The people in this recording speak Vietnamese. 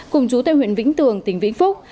cùng chú tây huyện vĩnh tường tỉnh vĩnh phúc